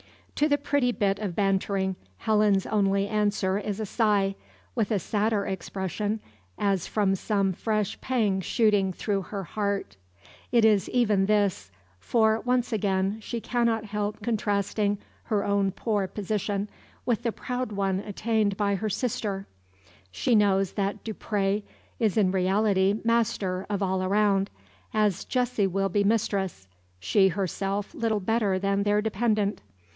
To the pretty bit of bantering Helen's only answer is a sigh, with a sadder expression, as from some fresh pang shooting through her heart. It is even this; for, once again, she cannot help contrasting her own poor position with the proud one attained by her sister. She knows that Dupre is in reality master of all around, as Jessie will be mistress, she herself little better than their dependant.